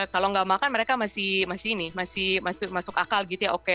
kalau nggak makan mereka masih ini masih masuk akal gitu ya oke